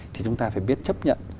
thì chúng ta phải biết chấp nhận